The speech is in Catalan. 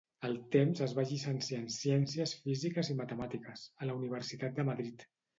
Al temps es va llicenciar en Ciències Físiques i Matemàtiques, a la Universitat de Madrid.